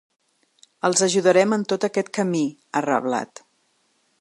Els ajudarem en tot aquest camí, ha reblat.